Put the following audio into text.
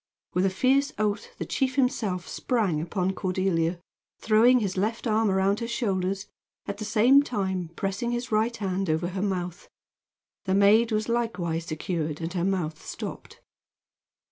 With a fierce oath the chief himself sprang upon Cordelia, throwing his left arm around her shoulders, at the same time pressing his right hand over her mouth. The maid was likewise secured and her mouth stopped.